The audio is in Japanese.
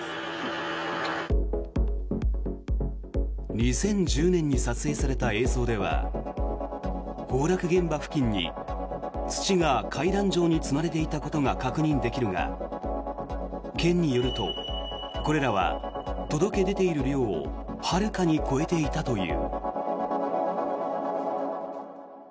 ２０１０年に撮影された映像では、崩落現場付近に土が階段状に積まれていたことが確認できるが県によると、これらは届け出ている量をはるかに超えていたという。